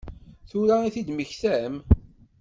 Tura i t-id-temmektam?